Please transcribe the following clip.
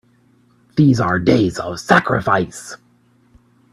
These are days of sacrifice!